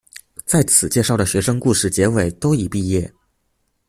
在此介绍的学生故事结尾都已毕业。